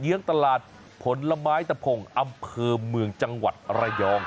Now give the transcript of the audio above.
ตลาดผลไม้ตะพงอำเภอเมืองจังหวัดระยอง